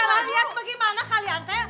eh salah liat bagaimana kalian teh